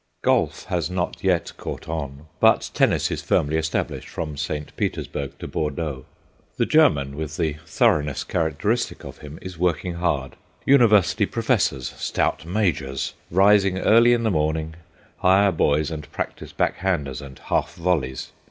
Golf has not yet caught on, but tennis is firmly established from St. Petersburg to Bordeaux. The German, with the thoroughness characteristic of him, is working hard. University professors, stout majors, rising early in the morning, hire boys and practise back handers and half volleys.